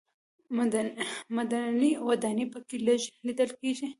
مډرنې ودانۍ په کې لږ لیدل کېږي.